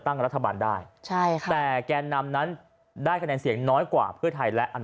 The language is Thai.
ตากันน่ะอยู่๘เสียงถ้วน